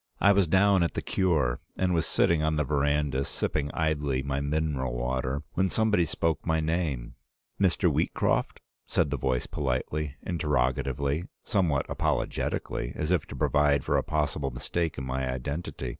I was down at the Cure, and was sitting on the veranda sipping idly my mineral water, when somebody spoke my name. 'Mr. Wheatcroft?' said the voice politely, interrogatively, somewhat apollogetically, as if to provide for a possible mistake in my identity.